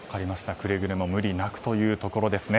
くれぐれも無理なくということですね。